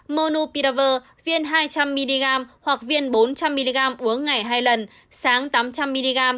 monu pitaver viên hai trăm linh mg hoặc viên bốn trăm linh mg uống ngày hai lần sáng tám trăm linh mg